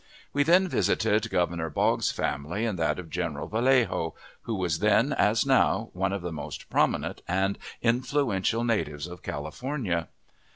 We then visited Governor Boggs's family and that of General Vallejo, who was then, as now, one of the most prominent and influential natives of California.